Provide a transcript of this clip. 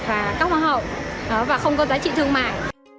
và không có giá trị thương mại